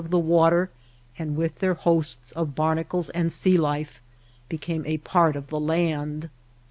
of the water and with their hosts of barnacles and sea life became a part of the land.